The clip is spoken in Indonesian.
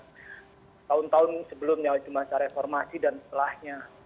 tahun tahun sebelumnya di masa reformasi dan setelahnya